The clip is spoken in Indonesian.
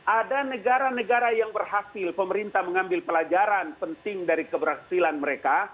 ada negara negara yang berhasil pemerintah mengambil pelajaran penting dari keberhasilan mereka